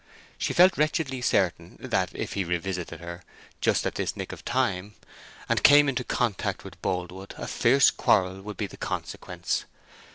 She felt wretchedly certain that if he revisited her just at this nick of time, and came into contact with Boldwood, a fierce quarrel would be the consequence.